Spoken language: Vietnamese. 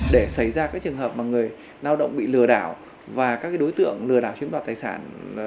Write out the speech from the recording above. để xảy ra các trường hợp mà người lao động bị lừa đảo và các đối tượng lừa đảo chiếm đoạt tài sản